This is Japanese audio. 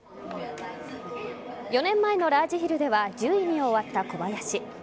４年前のラージヒルでは１０位に終わった小林。